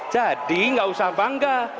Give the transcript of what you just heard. jadi tidak usah bangga